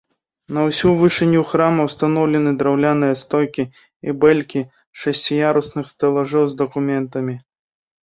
На ўсю вышыню храма ўстаноўлены драўляныя стойкі і бэлькі шасціярусных стэлажоў з дакументамі.